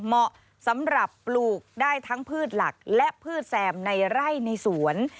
เหมาะสำหรับปลูกได้ทั้งพืชหลักและพืชแซมในไร่ในสวน